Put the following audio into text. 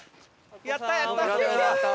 やったやった！